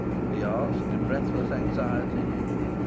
he asked, in breathless anxiety.